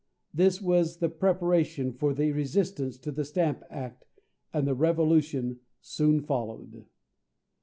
This was the preparation for the resistance to the Stamp Act, and the Revolution soon followed.